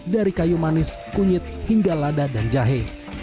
dari kayu manis kunyit hingga lada dan jahe